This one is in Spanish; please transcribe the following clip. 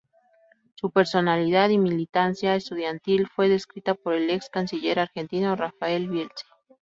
Su personalidad y militancia estudiantil fue descrita por el ex canciller argentino, Rafael Bielsa.